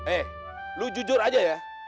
eh lu jujur aja ya